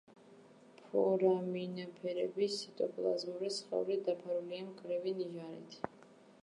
ფორამინიფერების ციტოპლაზმური სხეული დაფარულია მკვრივი ნიჟარით.